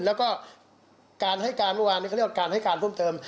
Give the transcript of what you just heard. แล้วก็การให้การกลวารก็เรียกว่าการให้การเพิ่มเติม